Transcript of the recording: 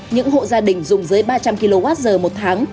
những hộ gia đình dùng dưới ba trăm linh kwh một tháng